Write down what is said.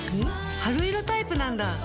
春色タイプなんだ。